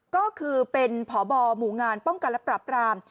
ก็คือเป็นพบหมู่งานป้องกันและปรับราม